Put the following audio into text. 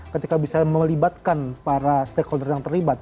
ketika bisa melibatkan para stakeholder yang terlibat